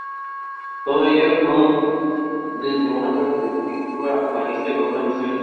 Todo ello con desde una perspectiva humanista y con una visión internacional.